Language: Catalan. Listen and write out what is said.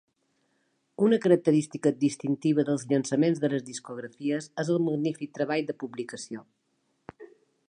Una característica distintiva dels llançaments de les discografies és el magnífic treball de publicació.